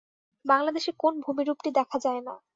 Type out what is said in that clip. বাংলাদেশে কোন ভূমিরূপটি দেখা যায় না?